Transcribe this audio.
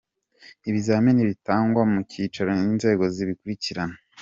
Ibizamini bitangwa mu mucyo inzego zose zibikurikirana.